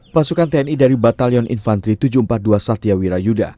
pasukan tni dari batalion infantri tujuh ratus empat puluh dua satya wirayuda